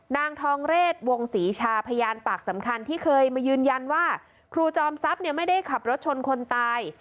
นางทองเรศวงศรีชาพยานปากสำคัญที่เคยมายืนยันว่าครูจอมทรัพย์เนี่ยไม่ได้ขับรถชนคนตาย